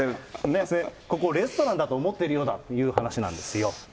ここをレストランだと思ってるようだという話なんですよ。